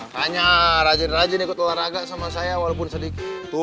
hanya rajin rajin ikut olahraga sama saya walaupun sedikit tua